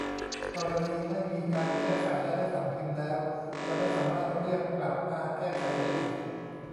กรณีไม่มีการแก้ไขและได้สั่งพิมพ์แล้วจะไม่สามารถเรียกกลับมาแก้ไขได้อีก